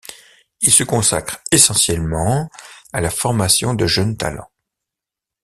Il se consacre essentiellement à la formation de jeunes talents.